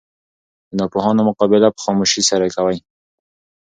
د ناپوهانو مقابله په خاموشي سره کوئ!